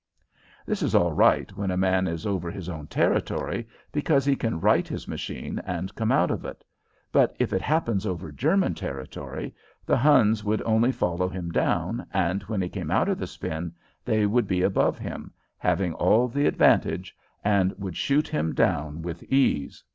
This is all right when a man is over his own territory, because he can right his machine and come out of it; but if it happens over German territory, the Huns would only follow him down, and when he came out of the spin they would be above him, having all the advantage, and would shoot him down with ease.